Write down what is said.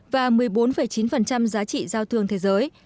và một mươi bốn chín giá trị giao thương thế giới